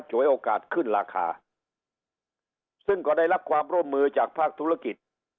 ฉวยโอกาสขึ้นราคาซึ่งก็ได้รับความร่วมมือจากภาคธุรกิจ